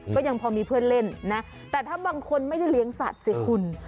ก็ยังพอมีเพื่อนเล่นนะแต่ถ้าบางคนไม่ได้เลี้ยงสัตว์สิคุณ